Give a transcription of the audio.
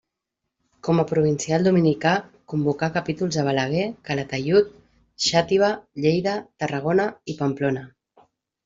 Com a provincial dominicà convocà capítols a Balaguer, Calatayud, Xàtiva, Lleida, Tarragona i Pamplona.